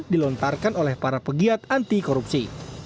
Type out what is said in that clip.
dilontarkan oleh para pegiat anti korupsi